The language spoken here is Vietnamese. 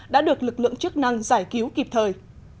đã được lực lượng chức năng giải cứu kịp thời